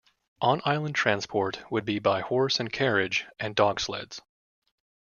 On-island transport would be by horse and carriage and dog sleds.